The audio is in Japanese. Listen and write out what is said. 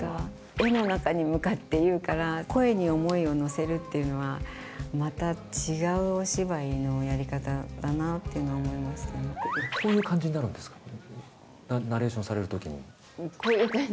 絵の中に向かって言うから、声に思いを乗せるというのは、また違うお芝居のやり方だなってこういう感じになるんですか、こういう感じ。